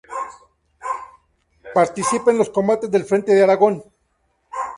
Participa en los combates del frente de Aragón.